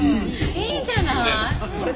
いいんじゃない？